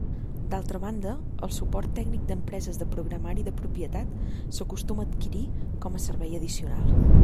D'altra banda, el suport tècnic d'empreses de programari de propietat s'acostuma a adquirir com a servei addicional.